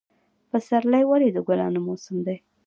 پسرلی ولې د ګلانو موسم دی؟